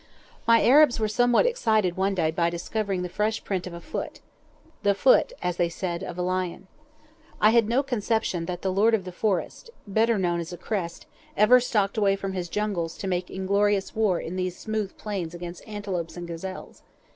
My Arabs were somewhat excited one day by discovering the fresh print of a foot—the foot, as they said, of a lion. I had no conception that the lord of the forest (better known as a crest) ever stalked away from his jungles to make inglorious war in these smooth plains against antelopes and gazelles.